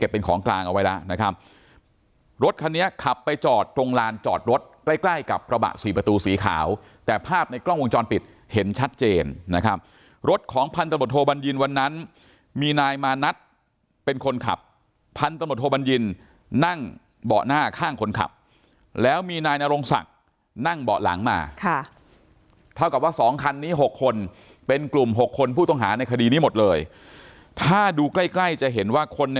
เป็นของกลางเอาไว้แล้วนะครับรถคันนี้ขับไปจอดตรงลานจอดรถใกล้ใกล้กับกระบะสี่ประตูสีขาวแต่ภาพในกล้องวงจรปิดเห็นชัดเจนนะครับรถของพันธุบันยินวันนั้นมีนายมานัดเป็นคนขับพันธุบันยินนั่งเบาะหน้าข้างคนขับแล้วมีนายนรงศักดิ์นั่งเบาะหลังมาค่ะเท่ากับว่าสองคันนี้หกคนเป็นกล